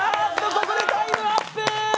ここでタイムアップ！